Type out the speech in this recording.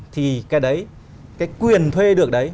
thì cái đấy cái quyền thuê được đấy